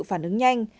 phản ứng nhanh